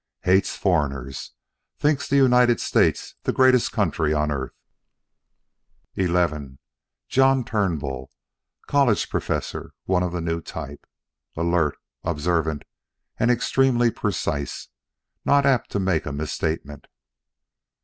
Hates foreigners; thinks the United States the greatest country on earth. XI John Turnbull, college professor; one of the new type, alert, observant and extremely precise. Not apt to make a misstatement.